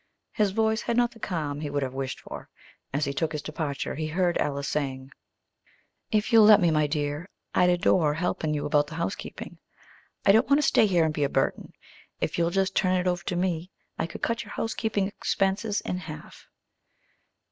His voice had not the calm he would have wished for. As he took his departure, he heard Alys saying, "If you'll let me, my dear, I'd adore helping you about the housekeeping. I don't want to stay here and be a burden. If you'll just turn it over to me, I could cut your housekeeping expenses in half."